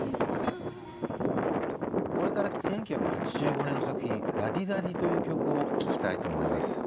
これから１９８５年の作品「ＬａＤｉＤａＤｉ」という曲を聴きたいと思います。